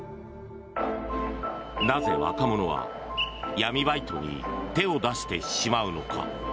なぜ若者は闇バイトに手を出してしまうのか。